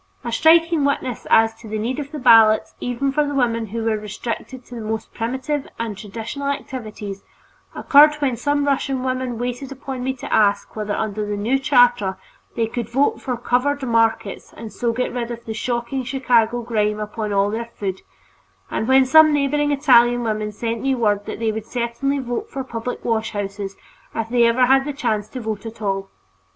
A striking witness as to the need of the ballot, even for the women who are restricted to the most primitive and traditional activities, occurred when some Russian women waited upon me to ask whether under the new charter they could vote for covered markets and so get rid of the shocking Chicago grime upon all their food; and when some neighboring Italian women sent me word that they would certainly vote for public washhouses if they ever had the chance to vote at all.